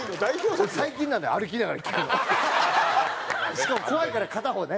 しかも怖いから片方ね。